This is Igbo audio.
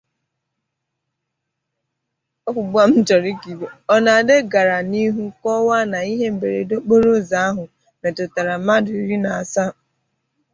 Onabe gara n'ihu kọwaa na ihe mberede okporoụzọ ahụ mètụtàrà mmadụ iri na asaa